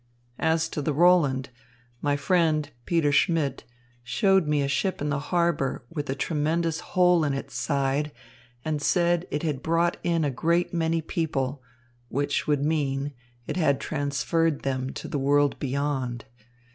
As to the Roland, my friend, Peter Schmidt, showed me a ship in the harbour with a tremendous hole in its side and said it had brought in a great many people, which would mean, it had transferred them to the world beyond.